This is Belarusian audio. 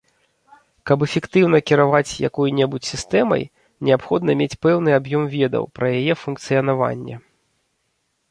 Каб эфектыўна кіраваць якой-небудзь сістэмай, неабходна мець пэўны аб'ём ведаў пра яе функцыянаванне.